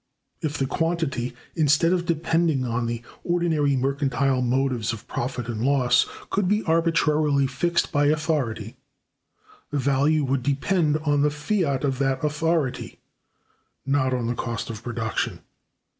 If the quantity, instead of depending on the ordinary mercantile motives of profit and loss, could be arbitrarily fixed by authority, the value would depend on the fiat of that authority, not on cost of production.